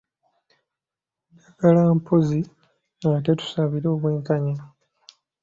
Njagala mpozzi ate tusabire obwenkanya.